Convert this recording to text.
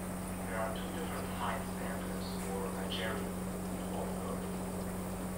There are two different height standards for the Nigerian Dwarf goat.